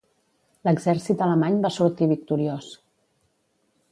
L'exèrcit alemany va sortir victoriós.